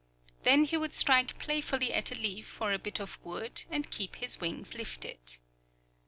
Then he would strike playfully at a leaf or a bit of wood, and keep his wings lifted.